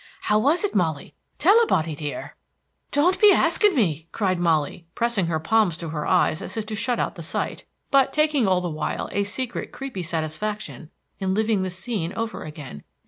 "How was it, Molly? Tell a body, dear!" "Don't be asking me!" cried Molly, pressing her palms to her eyes as if to shut out the sight, but taking all the while a secret creepy satisfaction in living the scene over again.